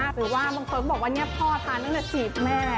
หรือว่าบางคนบอกว่าเนี่ยพ่อทานังแต่จีบแม่